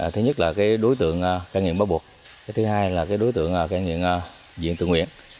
thứ nhất là đối tượng ca nghiện bắt buộc thứ hai là đối tượng cai nghiện diện tự nguyện